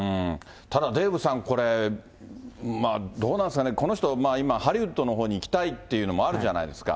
ただ、デーブさん、これ、どうなんすかね、この人、今、ハリウッドのほうに行きたいっていうのもあるじゃないですか。